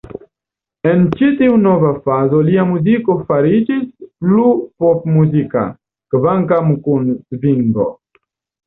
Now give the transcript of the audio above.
En ĉi-tiu nova fazo lia muziko fariĝis plu popmuzika, kvankam kun svingo.